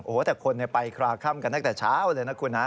โอ้โหแต่คนไปคลาค่ำกันตั้งแต่เช้าเลยนะคุณนะ